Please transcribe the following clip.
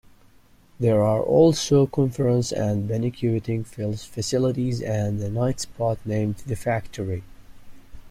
There are also conference and banqueting facilities and a nightspot named The Factory.